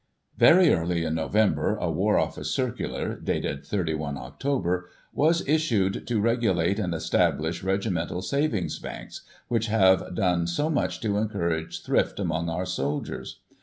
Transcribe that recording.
Very early in November, a War Office circular (dated 31 Oct.) was issued, to regulate and establish regimental savings banks, which have done so much to encourage thrift among our soldiers.